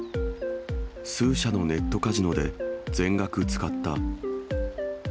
数社のネットカジノで全額使った。